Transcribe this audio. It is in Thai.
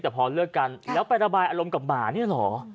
แต่พอเลิกกันแล้วไประบายอารมณ์กับหมาเนี่ยเหรอ